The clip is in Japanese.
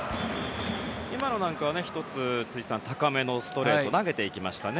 今のなんかは１つ高めのストレートを投げていきましたね。